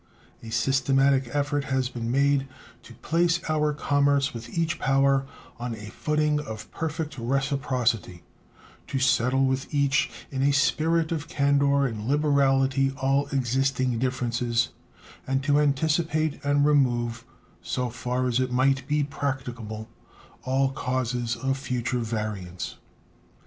A systematic effort has been made to place our commerce with each power on a footing of perfect reciprocity, to settle with each in a spirit of candor and liberality all existing differences, and to anticipate and remove so far as it might be practicable all causes of future variance.